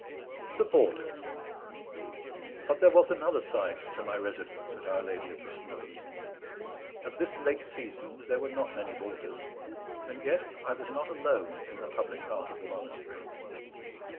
THE BOARDERS But there was another side to my residence at Our Lady of the Snows. At this late season there were not many boarders; and yet I was not alone in the public part of the monastery.